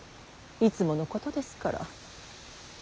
いつものことですから。